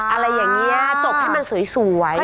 อะไรอย่างนี้จบให้มันสวย